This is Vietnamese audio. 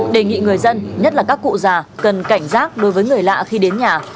đề nghị người dân nhất là các cụ già cần cảnh giác đối với người lạ khi đến nhà